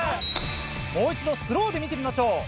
もう一度スローで見てみましょう。